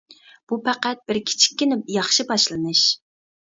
بۇ پەقەت بىر كىچىككىنە ياخشى باشلىنىش!